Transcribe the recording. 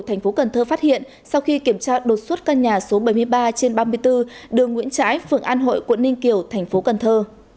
thành phố cần thơ phát hiện sau khi kiểm tra đột xuất căn nhà số bảy mươi ba trên ba mươi bốn đường nguyễn trãi phường an hội quận ninh kiều thành phố cần thơ